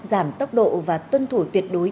giảm tốc độ và tuân thủi tuyệt đối